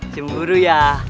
si guru ya